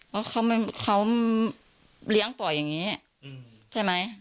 เพราะเขาเลี้ยงปล่อยอย่างนี้ใช่ไหม